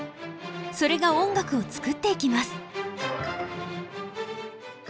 それが音楽を作っていきます。